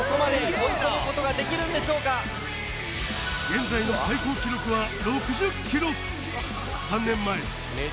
現在の最高記録は６０ｋｍ３年前